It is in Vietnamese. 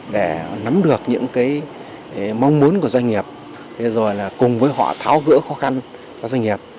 để nắm được những mong muốn của doanh nghiệp rồi là cùng với họ tháo gỡ khó khăn cho doanh nghiệp